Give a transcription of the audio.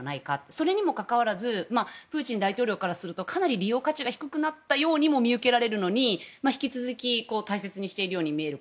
それにもかかわらずプーチン大統領からするとかなり利用価値が低くなったように見受けられるのに引き続き大切しているように見える。